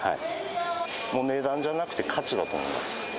もう値段じゃなくて価値だと思います。